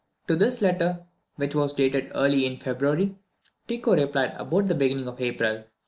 To this letter, which was dated early in February, Tycho replied about the beginning of April.